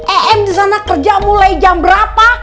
em disana kerja mulai jam berapa